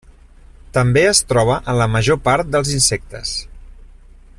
També es troba en la major part dels insectes.